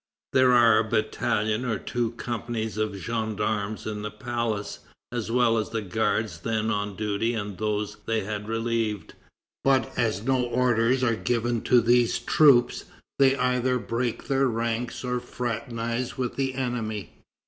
There are a battalion and two companies of gendarmes in the palace, as well as the guards then on duty and those they had relieved. But as no orders are given to these troops, they either break their ranks or fraternize with the enemy.